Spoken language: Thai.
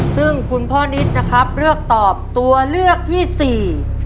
ซึ่งคุณพ่อนิดนะครับเลือกตอบตัวเลือกที่สี่